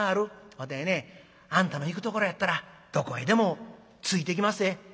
わてねあんたの行くところやったらどこへでもついていきまっせ」。